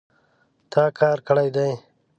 تا کار کړی دی